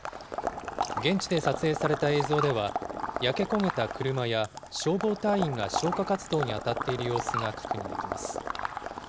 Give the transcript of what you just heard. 現地で撮影された映像では、焼け焦げた車や、消防隊員が消火活動に当たっている様子が確認できます。